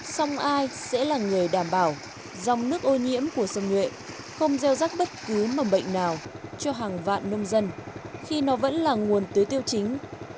xong ai sẽ là người đảm bảo dòng nước ô nhiễm của sông nhuệ không gieo rắc bất cứ mầm bệnh nào cho hàng vạn nông dân khi nó vẫn là nguồn tưới tiêu chính